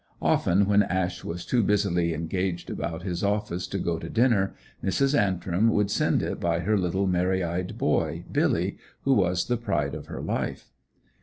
Often when Ash was too busily engaged about his office to go to dinner, Mrs. Antrim would send it by her little merry eyed boy, Billy, who was the pride of her life.